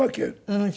うん。